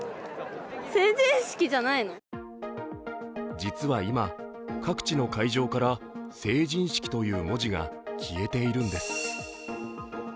実は今、各地の会場から「成人式」という文字が消えているんです。